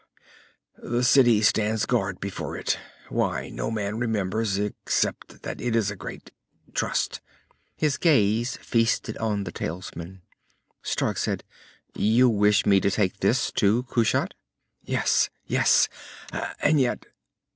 The city stands guard before it why, no man remembers, except that it is a great trust." His gaze feasted on the talisman. Stark said, "You wish me to take this to Kushat?" "Yes. Yes! And yet...."